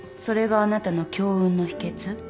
それがあなたの強運の秘訣？